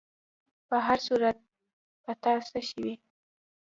په هر صورت، په تا څه شوي؟